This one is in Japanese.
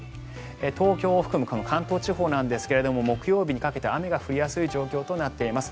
東京を含む関東地方なんですが木曜日にかけて雨が降りやすい状況となっています。